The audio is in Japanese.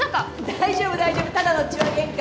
大丈夫大丈夫ただの痴話げんか。